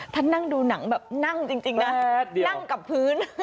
นั่งดูหนังแบบนั่งจริงนะนั่งกับพื้น